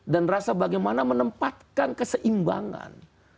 dan rasa bagaimana menempatkan keseimbangan